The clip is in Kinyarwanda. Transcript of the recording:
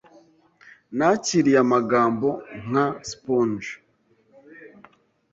Nakiriye amagambo nka sponge